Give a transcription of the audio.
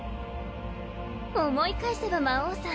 思い返せば魔王さん